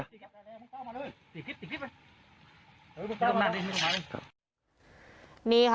มันมาเลย